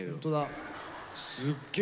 すっげえ